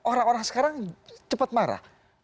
orang orang sekarang cepat marah